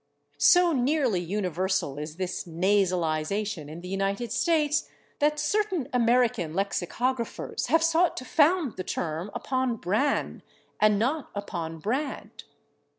So nearly universal is this nasalization in the United States that certain American lexicographers have sought to found the term upon /bran/ and not upon /brand